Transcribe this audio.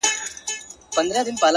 گراني په تاڅه وسول ولي ولاړې ،